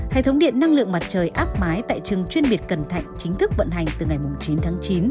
hệ thống điện năng lượng mặt trời áp mái tại trường chuyên biệt cần thạnh chính thức vận hành từ ngày chín tháng chín